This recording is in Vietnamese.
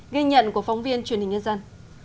ghi nhận của phóng viên truyền hình nhân dân